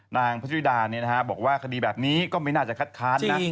นางพระชุดาเนี่ยนะฮะบอกว่าคดีแบบนี้ก็ไม่น่าจะคัดค้านนะ